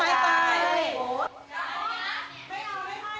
เป็นเด็กเหรอลูก